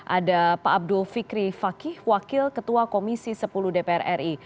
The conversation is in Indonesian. ada pak abdul fikri fakih wakil ketua komisi sepuluh dpr ri